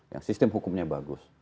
yang sistem hukumnya bagus